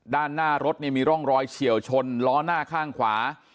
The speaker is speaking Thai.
ด้านหน้ารถเนี่ยมีร่องรอยเฉียวชนล้อหน้าข้างขวา